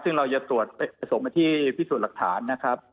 ซึ่งเราจะตรวจส่งมาที่พิสูจน์หลักฐานนะครับ